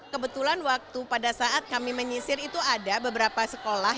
kebetulan waktu pada saat kami menyisir itu ada beberapa sekolah